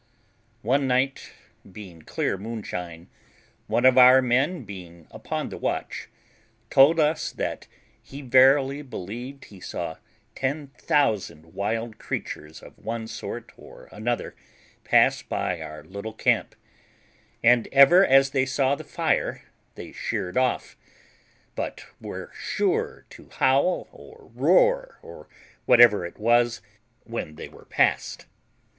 One night, being clear moonshine, one of our men being upon the watch, told us that he verily believed he saw ten thousand wild creatures of one sort or another pass by our little camp, and ever as they saw the fire they sheered off, but were sure to howl or roar, or whatever it was, when they were past.